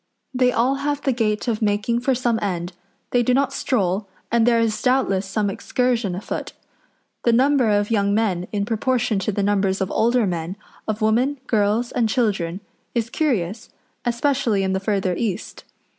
They all have the gait of making for some end; they do not stroll, and there is doubtless some excursion afoot. The number of young men, in proportion to the numbers of older men, of women, girls, and children, is curious, especially in the further east.